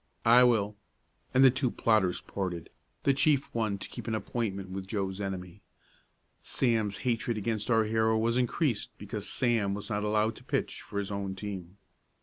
"I will," and the two plotters parted, the chief one to keep an appointment with Joe's enemy. Sam's hatred against our hero was increased because Sam was not allowed to pitch for his own team.